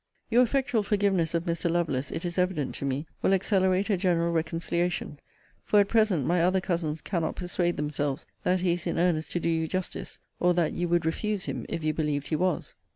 Your effectual forgiveness of Mr. Lovelace, it is evident to me, will accelerate a general reconciliation: for, at present, my other cousins cannot persuade themselves that he is in earnest to do you justice; or that you would refuse him, if you believed he was.